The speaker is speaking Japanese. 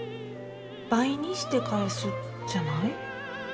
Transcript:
「倍」にして返すじゃない？